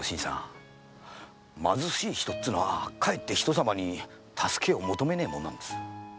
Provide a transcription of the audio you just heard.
貧しい人はかえって人様に助けを求めねえものなんです。